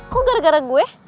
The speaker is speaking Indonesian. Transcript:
kok gara gara gue